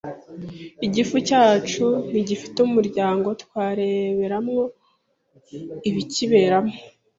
Igifu cyacu ntigifite umuryango twareberamo ibikiberamo;